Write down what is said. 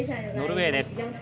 ノルウェーです。